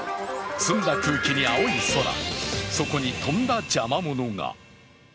澄んだ空気に青い空、そこにとんだ邪魔者が。